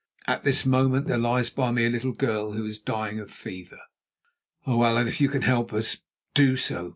At this moment there lies by me a little girl who is dying of fever. "Oh, Allan, if you can help us, do so!